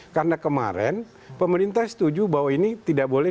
karena kemarin pemerintah setuju bahwa ini tidak berlaku